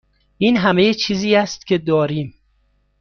این همه چیزی است که داریم.